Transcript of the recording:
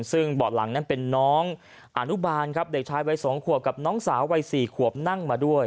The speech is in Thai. ซึ่งเบาะหลังนั้นเป็นน้องอนุบาลครับเด็กชายวัย๒ขวบกับน้องสาววัย๔ขวบนั่งมาด้วย